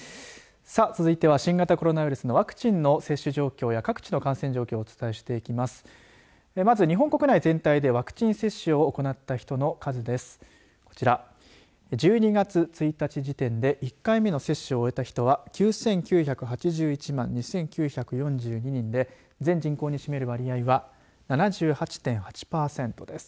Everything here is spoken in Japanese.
続いては新型コロナウイルスのワクチンの接種状況や各地の感染状況をお伝えしていきます。